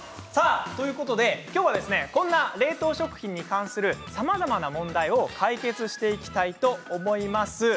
今日はこんな冷凍食品に関するさまざまな問題を解決していきたいと思います。